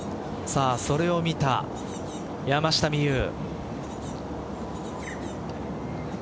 それを見た山下美夢有。